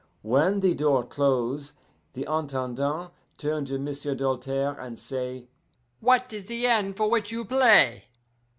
"When the door close, the Intendant turn to M'sieu' Doltaire and say, 'What is the end for which you play?